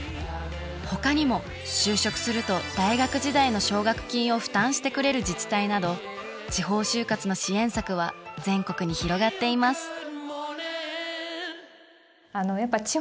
ほかにも就職すると大学時代の奨学金を負担してくれる自治体など地方就活の支援策は全国に広がっています。